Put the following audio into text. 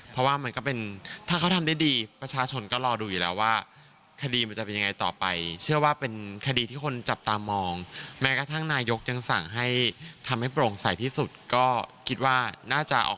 เพราะว่ามันก็มันก็จะเป็น